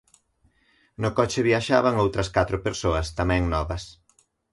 No coche viaxaban outras catro persoas, tamén novas.